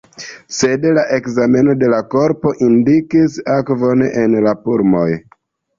Sed la ekzameno de la korpo indikis akvon en la pulmoj.